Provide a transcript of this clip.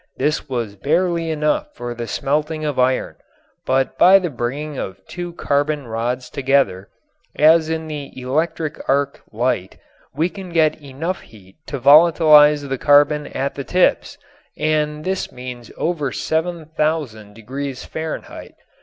This was barely enough for the smelting of iron. But by the bringing of two carbon rods together, as in the electric arc light, we can get enough heat to volatilize the carbon at the tips, and this means over 7000 degrees Fahrenheit.